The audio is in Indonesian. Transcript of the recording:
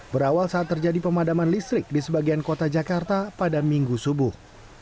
berawal saat terjadi pemadaman listrik di sebagian kota jakarta pada minggu subuh